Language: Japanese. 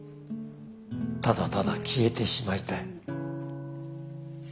「ただただ消えてしまいたい」